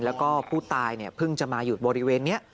แล้วก็ผู้ตายเพิ่งจะมาอยู่บริเวณนี้